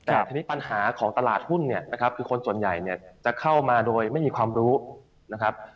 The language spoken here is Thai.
แต่ทีนี้ปัญหาของตลาดหุ้นเนี่ยนะครับคือคนส่วนใหญ่เนี่ยจะเข้ามาโดยไม่มีความรู้นะครับ